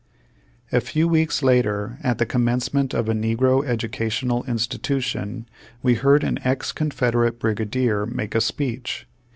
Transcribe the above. A few weeks later, at the commencement of a negro educational institution,'^ we heard an ex Confederate Brigadier make a speech.